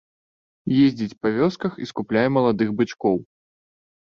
Ездзіць па вёсках і скупляе маладых бычкоў.